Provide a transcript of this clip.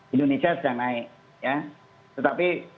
indonesia sudah naik ya